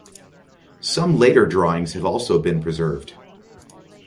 Some later drawings have also been preserved.